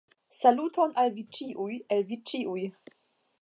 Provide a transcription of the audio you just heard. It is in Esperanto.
Saluton al ĉiuj el vi ĉiuj!